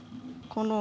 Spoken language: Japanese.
この。